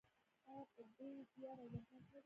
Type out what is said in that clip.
آیا په ډیر زیار او زحمت نه دی؟